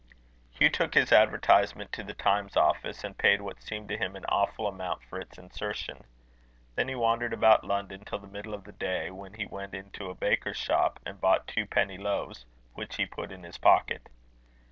Hugh took his advertisement to the Times office, and paid what seemed to him an awful amount for its insertion. Then he wandered about London till the middle of the day, when he went into a baker's shop, and bought two penny loaves, which he put in his pocket.